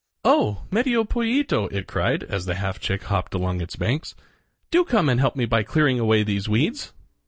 "Oh! Medio Pollito," it cried as the half chick hopped along its banks, "do come and help me by clearing away these weeds."